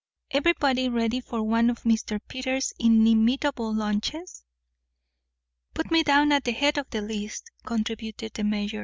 "Everybody ready for one of Mr. Peters' inimitable lunches?" "Put me down at the head of the list," contributed the mayor.